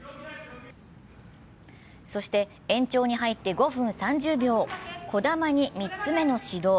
そして延長に入って５分３０秒児玉に３つ目の指導。